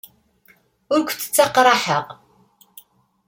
Ur kent-ttaqraḥeɣ.